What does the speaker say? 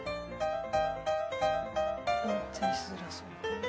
運転しづらそう。